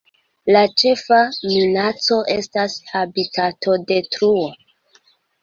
La ĉefa minaco estas habitatodetruo.